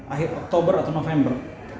akhir oktober atau november